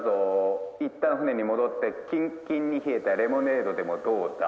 いったん船に戻ってキンキンに冷えたレモネードでもどうだ？」。